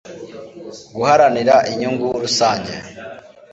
guharanira inyungu rusange